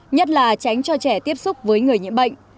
nhất là tránh cho trẻ tiếp xúc với người nhiễm bệnh